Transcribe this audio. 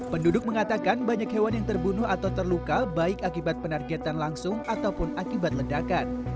penduduk mengatakan banyak hewan yang terbunuh atau terluka baik akibat penargetan langsung ataupun akibat ledakan